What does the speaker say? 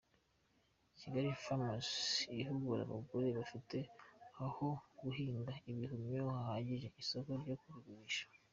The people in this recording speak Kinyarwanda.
Kigali Farms ihugura abagore bafite aho guhinga ibihumyo hahagije, n’isoko ryo kubigurisha.